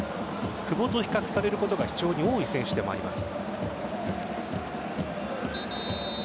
久保と比較されることが非常に多い選手でもあります。